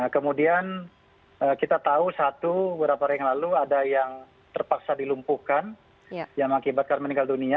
kemudian kita tahu satu beberapa hari yang lalu ada yang terpaksa dilumpuhkan yang mengakibatkan meninggal dunia